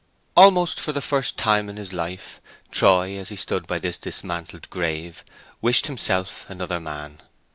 Almost for the first time in his life, Troy, as he stood by this dismantled grave, wished himself another man.